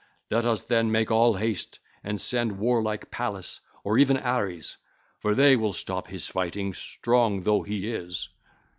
Let us then make all haste and send warlike Pallas or even Ares, for they will stop his fighting, strong though he is.